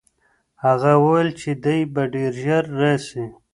هغه وویل چې دی به ډېر ژر راسي.